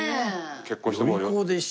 結婚してもう４０。